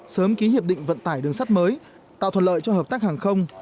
sớm ký hiệp định vận tải đường sắt mới tạo thuận lợi cho hợp tác hàng không